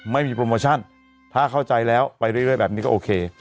ไม่มีโปรโมชั่นถ้าเข้าใจแล้วไปเรื่อยแบบนี้ก็โอเค